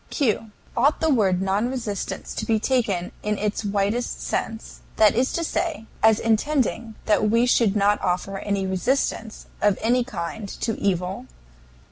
Q. Ought the word "non resistance" to be taken in its widest sense that is to say, as intending that we should not offer any resistance of any kind to evil?